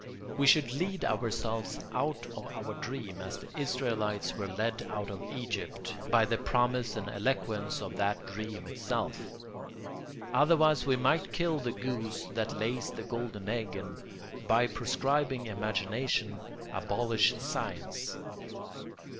We should lead ourselves out of our dream, as the Israelites were led out of Egypt, by the promise and eloquence of that dream itself. Otherwise we might kill the goose that lays the golden egg, and by proscribing imagination abolish science.